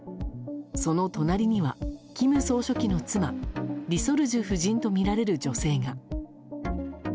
その隣には金総書記の妻リ・ソルジュ夫人とみられる女性が。